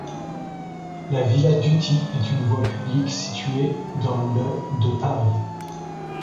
La villa Duthy est une voie publique située dans le de Paris.